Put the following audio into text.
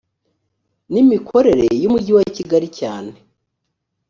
n imikorere y umujyi wa kigali cyane